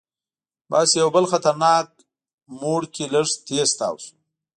بس یو بل خطرناک موړ کې لږ تیز تاو شو.